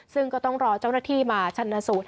ซึ่งก็ต้องรอเจ้าหน้าที่มาชันสูตร